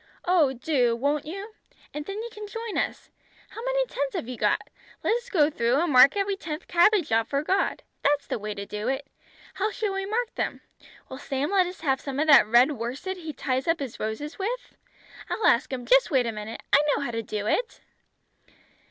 Oh, do, won't you? And then you can join us. How many tens have you got? Let us go through, and mark every tenth cabbage off for God. That's the way to do it. How shall we mark them? Will Sam let us have some of that red worsted he ties up his roses with? I'll ask him. Just wait a minute. I know how to do it!"